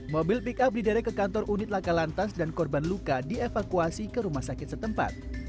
mobil pick up diderek ke kantor unit laka lantas dan korban luka dievakuasi ke rumah sakit setempat